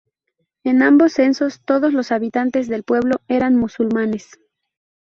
En ambos censos, todos los habitantes del pueblo eran musulmanes.